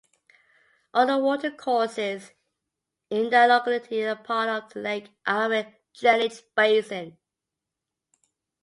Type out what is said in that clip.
All the watercourses in the locality are part of the Lake Eyre drainage basin.